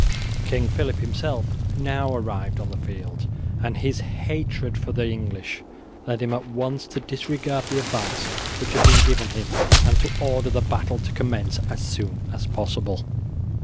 King Phillip himself now arrived on the field and his hatred for the English led him at once to disregard the advice which had been given him and to order the battle to commence as soon as possible.